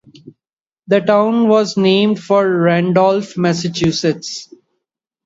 The town was named for Randolph, Massachusetts.